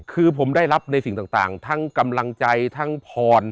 คือผมได้รับในสิ่งต่างทั้งกำลังใจทั้งพร